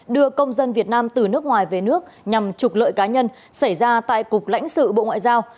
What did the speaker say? đưa công dân việt nam từ nước ngoài về nước nhằm trục lợi cá nhân xảy ra tại cục lãnh sự bộ ngoại giao